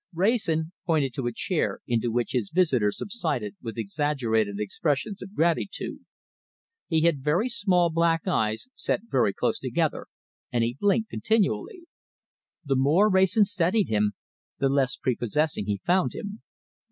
Wrayson pointed to a chair, into which his visitor subsided with exaggerated expressions of gratitude. He had very small black eyes, set very close together, and he blinked continually. The more Wrayson studied him, the less prepossessing he found him.